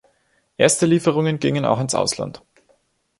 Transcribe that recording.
Erste Lieferungen gingen auch ins Ausland.